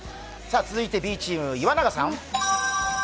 続いてＢチーム、岩永さん。